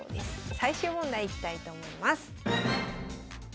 最終問題いきたいと思います。